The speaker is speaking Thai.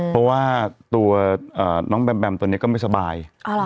เพราะว่าตัวน้องแบมแบมตัวนี้ก็ไม่สบาย